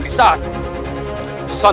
tidak ada kesalahan